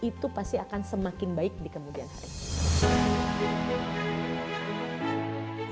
itu pasti akan semakin baik di kemudian hari